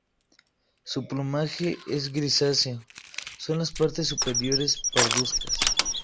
Su plumaje es grisáceo con las partes superiores parduzcas.